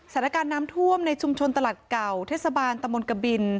สถานการณ์น้ำท่วมในชุมชนตลาดเก่าเทศบาลตะมนตกบิน